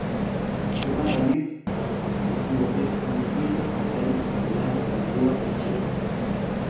Zenbat aldiZ aditu ote dizkiot aitari ailaga kontuak etxean.